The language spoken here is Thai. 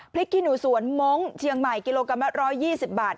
ขี้หนูสวนมงค์เชียงใหม่กิโลกรัมละ๑๒๐บาท